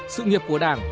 sự nghiệp của đảng